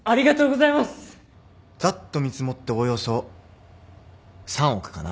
ざっと見積もっておよそ３億かな。